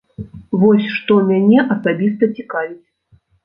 Вось, што мяне асабіста цікавіць.